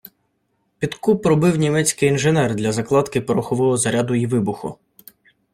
Підкоп робив німецький інженер для закладки порохового заряду й вибуху